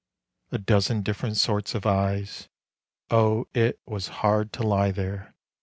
A dozen different sorts of eyes. O it Was hard to lie there!